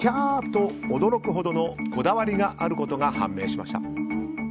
と驚くほどのこだわりがあることが判明しました。